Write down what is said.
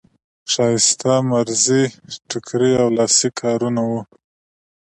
ښایسته مزري ټوکري او لاسي کارونه وو.